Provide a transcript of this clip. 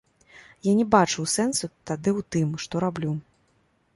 Я не бачыў сэнсу тады ў тым, што раблю.